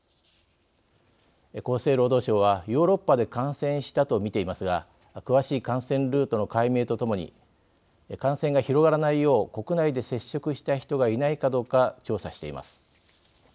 厚生労働省はヨーロッパで感染したと見ていますが詳しい感染ルートの解明とともに感染が広がらないよう国内で接触した人がいないかどうか調査しています。